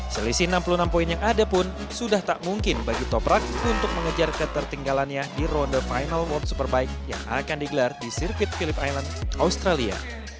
selisih enam puluh enam poin yang ada pun sudah tak mungkin bagi toprak untuk mengejar ketertinggalannya di ronde final world superbike yang akan digelar di sirkuit philip island australia